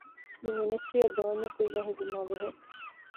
މި މިނިސްޓްރީއަށް ދޯންޏެއް ކުއްޔަށް ހިފުމާއި ބެހޭ